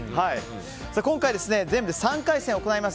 今回は全部、３回戦行います。